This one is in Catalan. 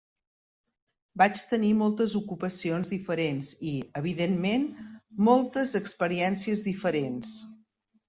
Vaig tenir moltes ocupacions diferents i, evidentment, moltes experiències diferents.